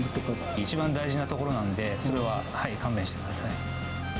一番大事なところなんで、それは勘弁してください。